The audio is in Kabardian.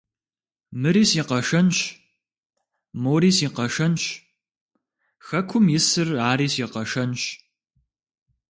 Мыри си къэшэнщ! Мори си къэшэнщ! Хэкум исыр ари си къэшэнщ!